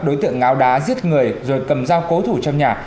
đối tượng ngáo đá giết người rồi cầm dao cố thủ trong nhà